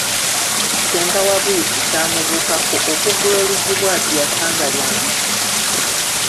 Senga wa Buyisi kyamubuukako, okuggula oluggi bw'ati yasanga lya mpiki!